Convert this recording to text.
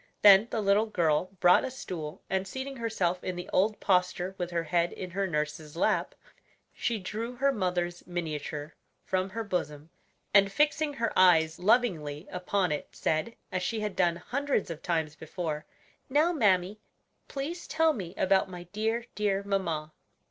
Then the little girl brought a stool, and seating herself in the old posture with her head in her nurse's lap, she drew her mother's miniature from her bosom, and fixing her eyes lovingly upon it, said, as she had done hundreds of times before: "Now, mammy, please tell me about my dear, dear mamma."